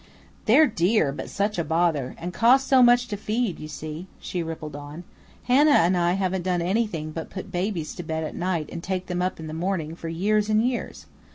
"They're dear, but such a bother, and cost so much to feed, you see," she rippled on. "Hannah and I haven't done anything but put babies to bed at night and take them up in the morning for years and years.